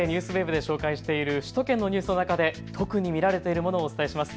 ＮＨＫＮＥＷＳＷＥＢで紹介している首都圏のニュースの中で特に見られているものをお伝えします。